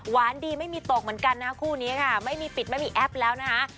ดีไม่มีตกเหมือนกันนะคู่นี้ค่ะไม่มีปิดไม่มีแอปแล้วนะคะ